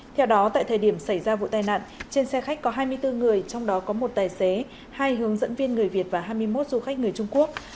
theo đó tại thời điểm xảy ra vụ tai nạn trên xe khách có hai mươi bốn người trong đó có một tài xế hai hướng dẫn viên người việt và hai mươi một du khách người trung quốc